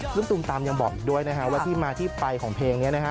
ซึ่งตูมตามยังบอกอีกด้วยนะฮะว่าที่มาที่ไปของเพลงนี้นะฮะ